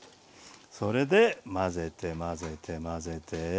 それで混ぜて混ぜて混ぜて。